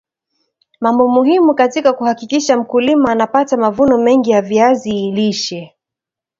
mambo muhimu katika kuhakikisha mmkulima anapata mavuno mengi ya viazi lishe